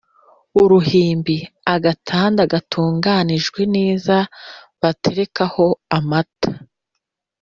uruhimbi: agatanda gatunganije neza baterekaho amata